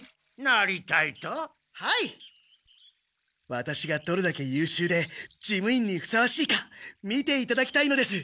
ワタシがどれだけ優秀で事務員にふさわしいか見ていただきたいのです！